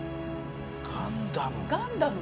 ガンダム。